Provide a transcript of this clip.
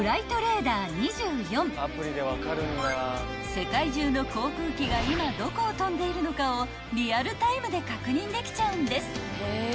［世界中の航空機が今どこを飛んでいるのかをリアルタイムで確認できちゃうんです］